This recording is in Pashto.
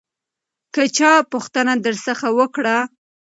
که چا پوښتنه درڅخه وکړه